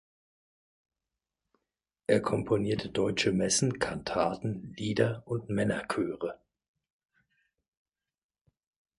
Er komponierte Deutsche Messen, Kantaten, Lieder und Männerchöre.